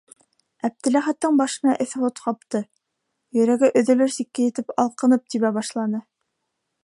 - Әптеләхәттең башына эҫе ут ҡапты, йөрәге өҙөлөр сиккә етеп алҡынып тибә башланы.